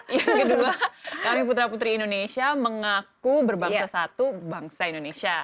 yang kedua kami putra putri indonesia mengaku berbangsa satu bangsa indonesia